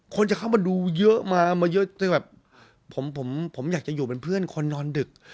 คนจะเข้ามาดูเยอะมาเยอะจนแบบผมผมอยากจะอยู่เป็นเพื่อนคนนอนดึก